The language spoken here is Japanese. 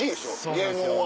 芸能は。